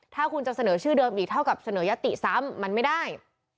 ถ้าคุณจะเสนอชื่อเดิมอีกเท่ากับเสนอยติซ้ำมันไม่ได้